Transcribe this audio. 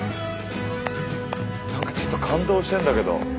何かちょっと感動してんだけど。